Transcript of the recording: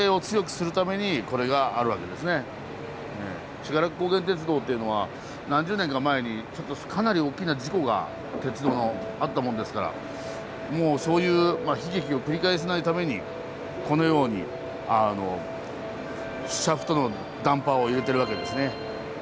信楽高原鐵道っていうのは何十年か前にちょっとかなり大きな事故が鉄道のあったもんですからもうそういう悲劇を繰り返さないためにこのようにシャフトのダンパーを入れてるわけですね。